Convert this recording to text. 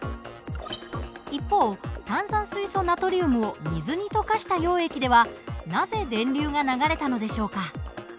一方炭酸水素ナトリウムを水に溶かした溶液ではなぜ電流が流れたのでしょうか？